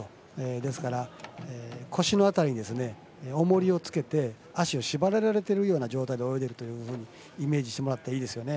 ですから、腰の辺りにおもりをつけて足を縛られてるような状態で泳いでいるというふうにイメージしてもらったらいいですよね。